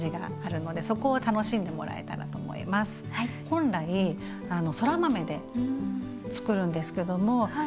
本来そら豆でつくるんですけども。